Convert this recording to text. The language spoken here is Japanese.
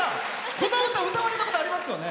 この歌歌われたことありますよね。